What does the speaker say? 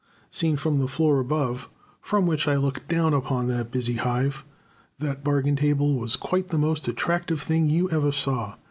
Seen from the floor above, from which I looked down upon that busy hive, that bargain table was quite the most attractive thing you ever saw.